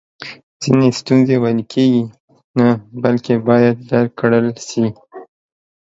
ځینې ستونزی ویل کیږي نه بلکې باید درک کړل سي!